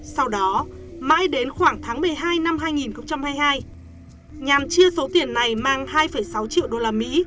sau đó mãi đến khoảng tháng một mươi hai năm hai nghìn hai mươi hai nhàn chia số tiền này mang hai sáu triệu usd